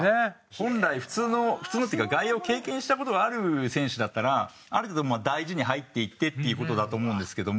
本来普通の普通のっていうか外野を経験した事がある選手だったらある程度大事に入っていってっていう事だと思うんですけども。